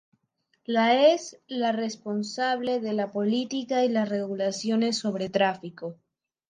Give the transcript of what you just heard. La es la responsable de la política y las regulaciones sobre tráfico.